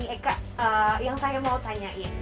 eka yang saya mau tanyain